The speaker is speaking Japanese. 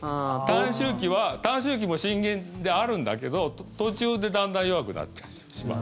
短周期は短周期も震源であるんだけど途中でだんだん弱くなってしまう。